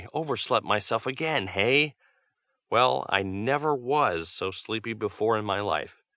overslept myself again, hey? well, I never was so sleepy before in my life!